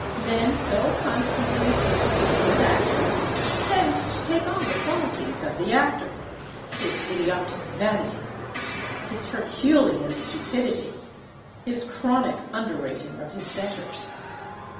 Men so constantly associated with actors tend to take on the qualities of the actor—his idiotic vanity, his herculean stupidity, his chronic underrating of his betters.